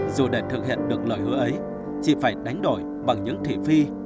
dù để thực hiện được lời hứa ấy chị phải đánh đổi bằng những thị phi